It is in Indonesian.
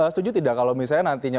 setuju tidak kalau misalnya nantinya